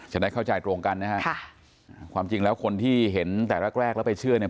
จะได้เข้าใจตรงกันนะฮะค่ะความจริงแล้วคนที่เห็นแต่แรกแรกแล้วไปเชื่อเนี่ย